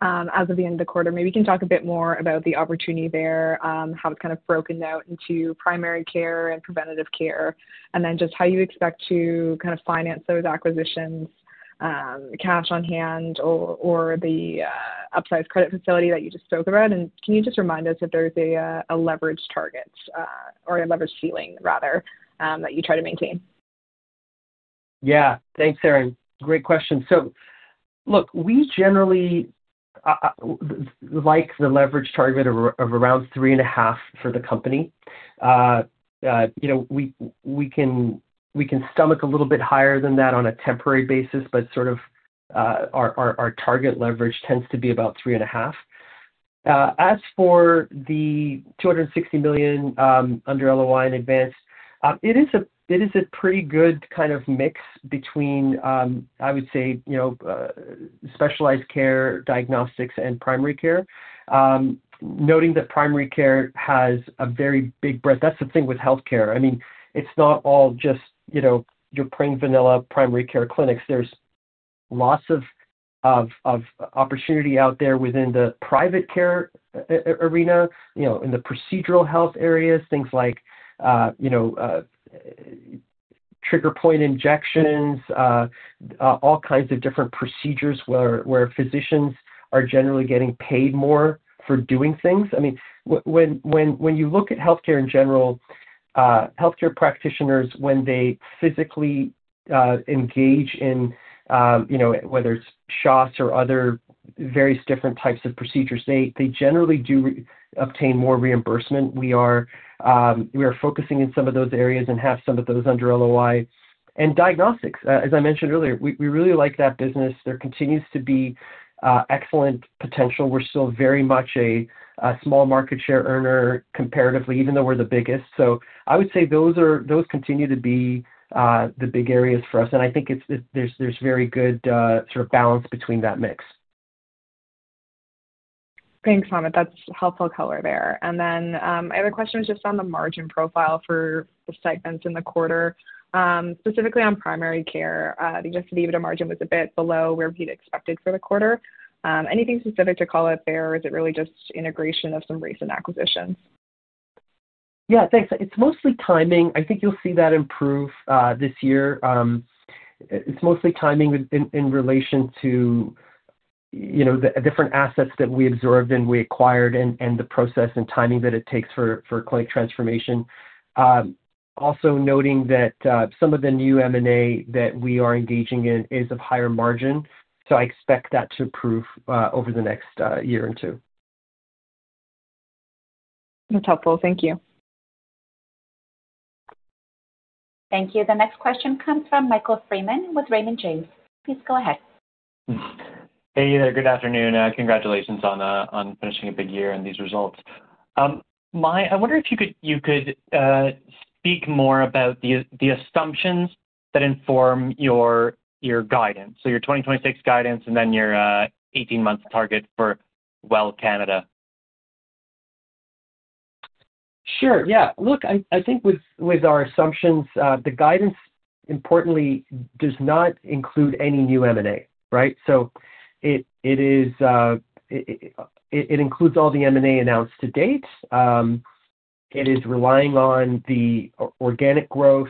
as of the end of the quarter, maybe you can talk a bit more about the opportunity there, how it's kind of broken out into primary care and preventative care, and then just how you expect to kind of finance those acquisitions, cash on hand or the upsized credit facility that you just spoke about. Can you just remind us if there's a leverage target, or a leverage ceiling rather, that you try to maintain? Yeah. Thanks, Erin. Great question. Look, we generally like the leverage target of around three and a half for the company. You know, we can stomach a little bit higher than that on a temporary basis, but sort of our target leverage tends to be about three and a half. As for the 260 million under LOI in advance, it is a pretty good kind of mix between, I would say, you know, specialized care, diagnostics, and primary care. Noting that primary care has a very big breadth. That's the thing with healthcare. I mean, it's not all just, you know, your plain vanilla primary care clinics. There's lots of opportunity out there within the private care area, you know, in the procedural health areas, things like, you know, trigger point injections, all kinds of different procedures where physicians are generally getting paid more for doing things. I mean, when you look at healthcare in general, healthcare practitioners, when they physically engage in, you know, whether it's shots or other various different types of procedures, they generally do obtain more reimbursement. We are focusing in some of those areas and have some of those under LOI. Diagnostics, as I mentioned earlier, we really like that business. There continues to be excellent potential. We're still very much a small market share earner comparatively, even though we're the biggest. I would say those continue to be the big areas for us. I think it's, there's very good sort of balance between that mix. Thanks, Hamed. That's helpful color there. My other question is just on the margin profile for the segments in the quarter, specifically on primary care. Just EBITDA margin was a bit below where we'd expected for the quarter. Anything specific to call out there, or is it really just integration of some recent acquisitions? Yeah, thanks. It's mostly timing. I think you'll see that improve this year. It's mostly timing in relation to, you know, the different assets that we absorbed and we acquired and the process and timing that it takes for clinic transformation. Also noting that some of the new M&A that we are engaging in is of higher margin. I expect that to improve over the next year or two. That's helpful. Thank you. Thank you. The next question comes from Michael Freeman with Raymond James. Please go ahead. Hey there. Good afternoon. Congratulations on finishing a big year and these results. I wonder if you could speak more about the assumptions that inform your guidance. Your 2026 guidance and then your 18-month target for WELL Canada. Sure, yeah. Look, I think with our assumptions, the guidance importantly does not include any new M&A, right? It includes all the M&A announced to date. It is relying on the organic growth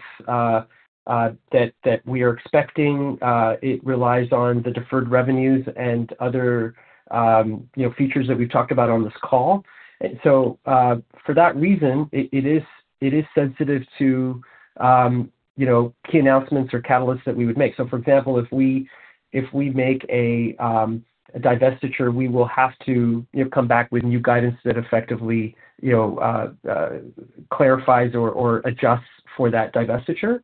that we are expecting. It relies on the deferred revenues and other, you know, features that we've talked about on this call. For that reason, it is sensitive to, you know, key announcements or catalysts that we would make. For example, if we make a divestiture, we will have to, you know, come back with new guidance that effectively, you know, clarifies or adjusts for that divestiture.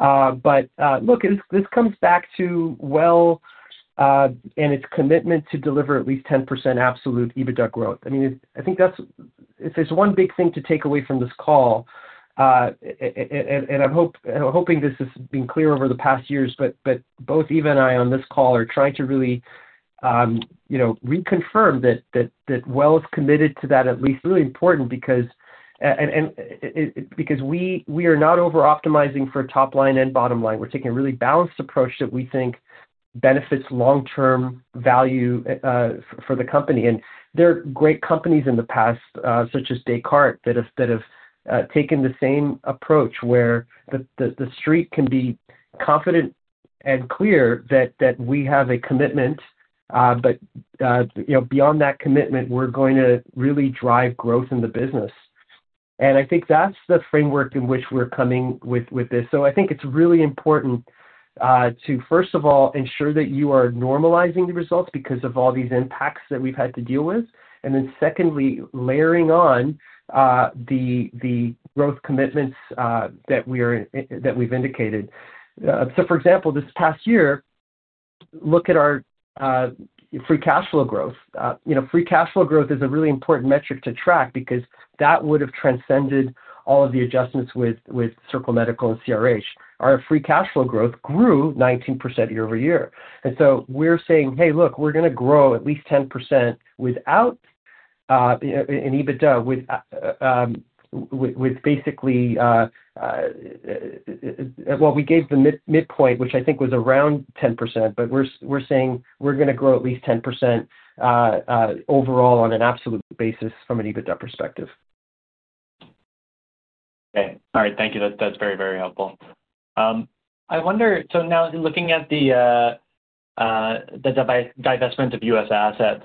Look, this comes back to WELL and its commitment to deliver at least 10% absolute EBITDA growth. I mean, I think that's if there's one big thing to take away from this call, and I hope and I'm hoping this has been clear over the past years, but both Eva and I on this call are trying to really, you know, reconfirm that WELL is committed to that at least. Really important because we are not over-optimizing for top line and bottom line. We're taking a really balanced approach that we think benefits long-term value for the company. There are great companies in the past, such as Descartes, that have taken the same approach where the Street can be confident and clear that we have a commitment. You know, beyond that commitment, we're going to really drive growth in the business. I think that's the framework in which we're coming with this. I think it's really important to first of all ensure that you are normalizing the results because of all these impacts that we've had to deal with. Then secondly, layering on the growth commitments that we've indicated. For example, this past year, look at our free cash flow growth. You know, free cash flow growth is a really important metric to track because that would have transcended all of the adjustments with Circle Medical and CRH. Our free cash flow growth grew 19% year-over-year. We're saying, "Hey, look, we're going to grow at least 10% without in EBITDA, with basically" Well, we gave the midpoint, which I think was around 10%, but we're saying we're going to grow at least 10% overall on an absolute basis from an EBITDA perspective. Okay. All right. Thank you. That, that's very, very helpful. I wonder, so now looking at the divestment of U.S. assets.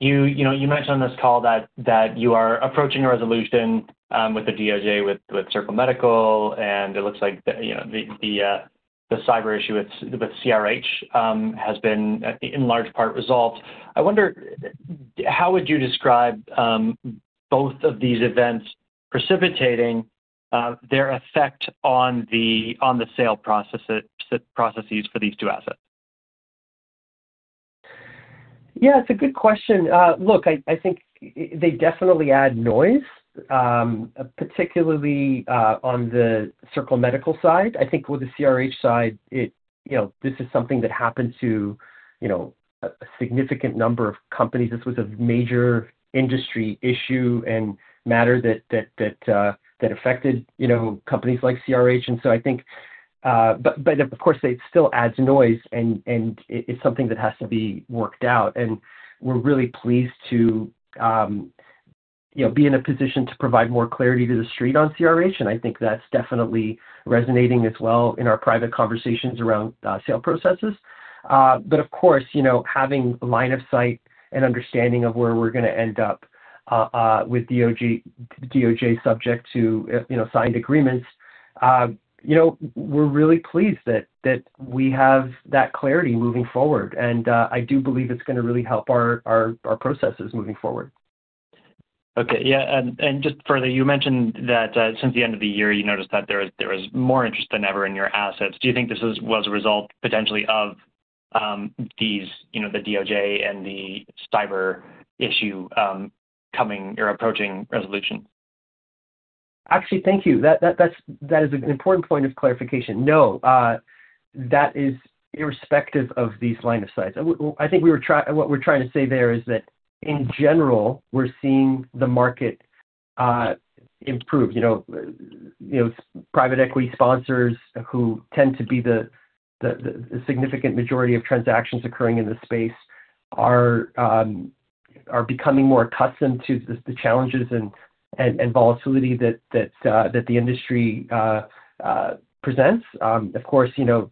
You know, you mentioned on this call that you are approaching a resolution with the DOJ with Circle Medical, and it looks like the, you know, the cyber issue with CRH has been in large part resolved. I wonder how would you describe both of these events precipitating their effect on the sale processes for these two assets? Yeah, it's a good question. Look, I think they definitely add noise, particularly on the Circle Medical side. I think with the CRH side, you know, this is something that happened to, you know, a significant number of companies. This was a major industry issue and matter that affected, you know, companies like CRH. I think, but of course, it still adds noise and it's something that has to be worked out. We're really pleased to, you know, be in a position to provide more clarity to the street on CRH, and I think that's definitely resonating as well in our private conversations around sale processes. Of course, you know, having line of sight and understanding of where we're gonna end up with DOJ subject to, you know, signed agreements, you know, we're really pleased that we have that clarity moving forward. I do believe it's gonna really help our processes moving forward. Okay. Yeah, and just further, you mentioned that since the end of the year, you noticed that there is more interest than ever in your assets. Do you think this was a result potentially of these, you know, the DOJ and the cyber issue coming or approaching resolution? Actually, thank you. That is an important point of clarification. No, that is irrespective of these lines of sight. What we're trying to say there is that in general, we're seeing the market improve. You know, private equity sponsors who tend to be the significant majority of transactions occurring in this space are becoming more accustomed to the challenges and volatility that the industry presents. Of course, you know,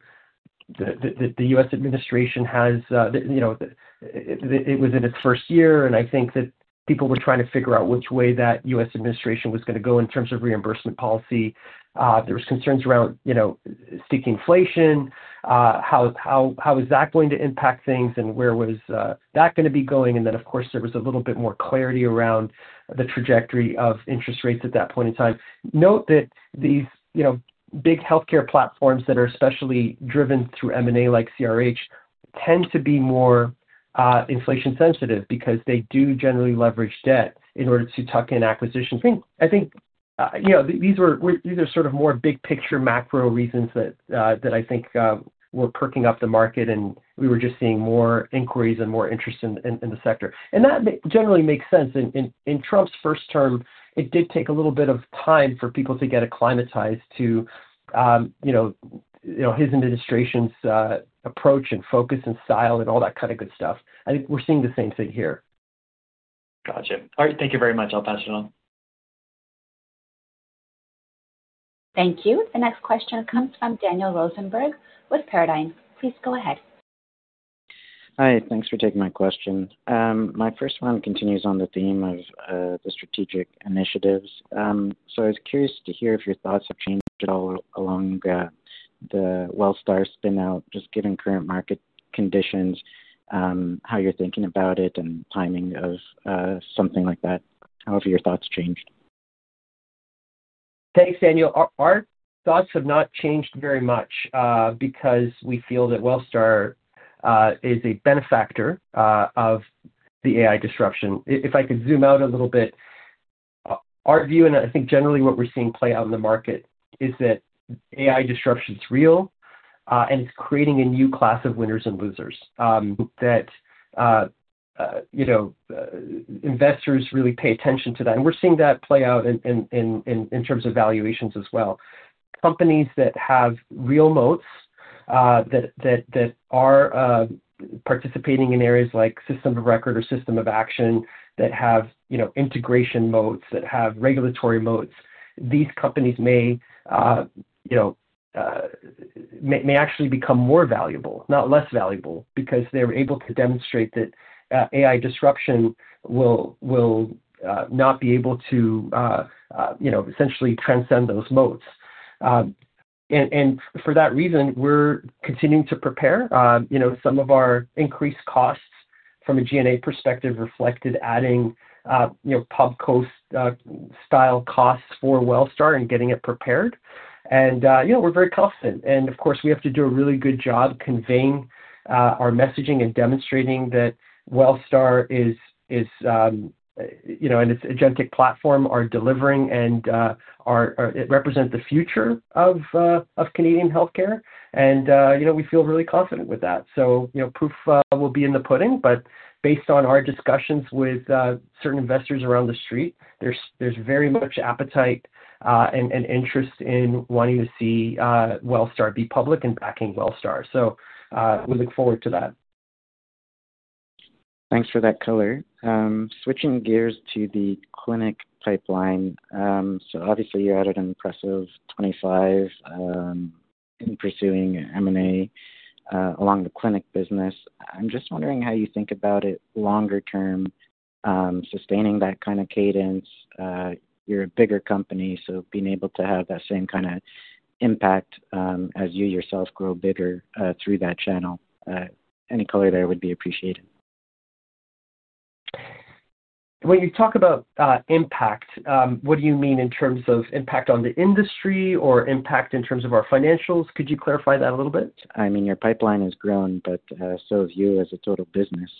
the U.S. administration has, you know, it was in its first year, and I think that people were trying to figure out which way that U.S. administration was gonna go in terms of reimbursement policy. There was concerns around, you know, sticky inflation, how is that going to impact things and where was that gonna be going. Of course, there was a little bit more clarity around the trajectory of interest rates at that point in time. Note that these, you know, big healthcare platforms that are especially driven through M&A like CRH tend to be more, inflation sensitive because they do generally leverage debt in order to tuck in acquisitions. I think, you know, these are sort of more big picture macro reasons that I think were perking up the market and we were just seeing more inquiries and more interest in the sector. That generally makes sense. In Trump's first term, it did take a little bit of time for people to get acclimatized to you know, his administration's approach and focus and style and all that kind of good stuff. I think we're seeing the same thing here. Gotcha. All right. Thank you very much. I'll pass it on. Thank you. The next question comes from Daniel Rosenberg with Paradigm. Please go ahead. Hi. Thanks for taking my question. My first one continues on the theme of the strategic initiatives. I was curious to hear if your thoughts have changed at all along the WELLSTAR spin out, just given current market conditions, how you're thinking about it and timing of something like that. How have your thoughts changed? Thanks, Daniel. Our thoughts have not changed very much, because we feel that WELLSTAR is a beneficiary of the AI disruption. I could zoom out a little bit, our view, and I think generally what we're seeing play out in the market is that AI disruption is real, and it's creating a new class of winners and losers, that you know, investors really pay attention to that. We're seeing that play out in terms of valuations as well. Companies that have real moats, that are participating in areas like system of record or system of action that have, you know, integration moats, that have regulatory moats, these companies may actually become more valuable, not less valuable, because they're able to demonstrate that AI disruption will not be able to, you know, essentially transcend those moats. For that reason, we're continuing to prepare. You know, some of our increased costs from a G&A perspective reflected adding, you know, Pubco-style costs for WELLSTAR and getting it prepared. You know, we're very confident. Of course, we have to do a really good job conveying our messaging and demonstrating that WELLSTAR is, you know, and its agentic platform are delivering and represent the future of Canadian healthcare. You know, we feel really confident with that. You know, proof will be in the pudding. Based on our discussions with certain investors around the street, there's very much appetite and interest in wanting to see WELLSTAR be public and backing WELLSTAR. We look forward to that. Thanks for that color. Switching gears to the clinic pipeline. Obviously you're at an impressive 25 in pursuing M&A along the clinic business. I'm just wondering how you think about it longer term, sustaining that kind of cadence. You're a bigger company, so being able to have that same kinda impact, as you yourself grow bigger, through that channel. Any color there would be appreciated. When you talk about impact, what do you mean in terms of impact on the industry or impact in terms of our financials? Could you clarify that a little bit? I mean, your pipeline has grown, but so have you as a total business.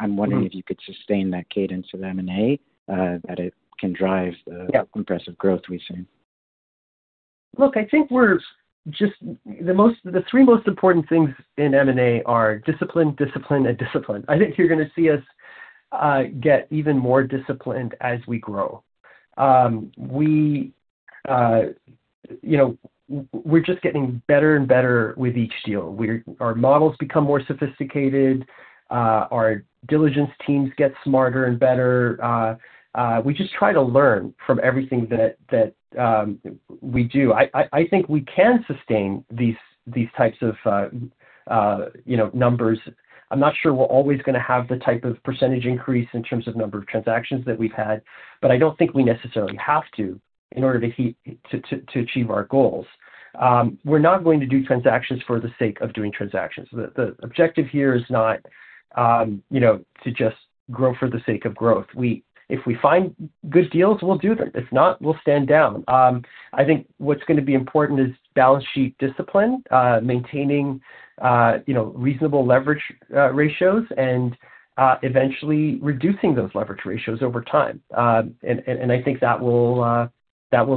I'm wondering if you could sustain that cadence of M&A that it can drive the Yeah. Impressive growth we've seen. Look, I think the three most important things in M&A are discipline, and discipline. I think you're gonna see us get even more disciplined as we grow. You know, we're just getting better and better with each deal. Our models become more sophisticated. Our diligence teams get smarter and better. We just try to learn from everything that we do. I think we can sustain these types of numbers. I'm not sure we're always gonna have the type of percentage increase in terms of number of transactions that we've had, but I don't think we necessarily have to in order to achieve our goals. We're not going to do transactions for the sake of doing transactions. The objective here is not, you know, to just grow for the sake of growth. If we find good deals, we'll do them. If not, we'll stand down. I think what's gonna be important is balance sheet discipline, maintaining, you know, reasonable leverage ratios and I think that will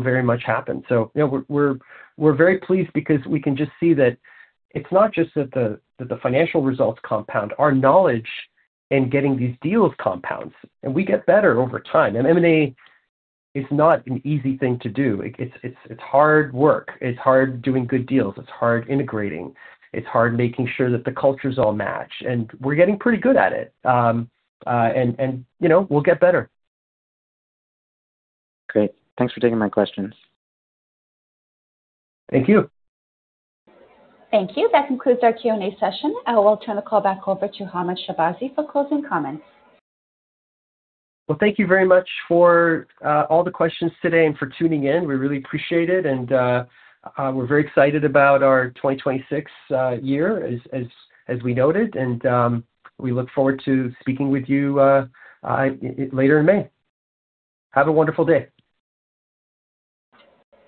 very much happen. You know, we're very pleased because we can just see that it's not just that the financial results compound. Our knowledge in getting these deals compounds, and we get better over time. M&A is not an easy thing to do. It's hard work. It's hard doing good deals. It's hard integrating. It's hard making sure that the cultures all match, and we're getting pretty good at it. You know, we'll get better. Great. Thanks for taking my questions. Thank you. Thank you. That concludes our Q&A session. I will turn the call back over to Hamed Shahbazi for closing comments. Well, thank you very much for all the questions today and for tuning in. We really appreciate it, and we're very excited about our 2026 year as we noted, and we look forward to speaking with you later in May. Have a wonderful day.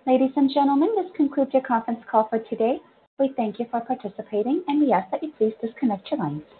Ladies and gentlemen, this concludes your conference call for today. We thank you for participating, and we ask that you please disconnect your lines.